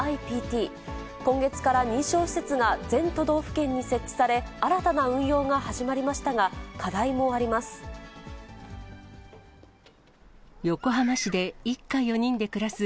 今月から認証施設が全都道府県に設置され、新たな運用が始まりましたが、課題もあります。